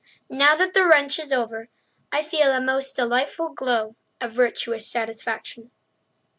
Now that the wrench is over, I feel a most delightful glow of virtuous satisfaction!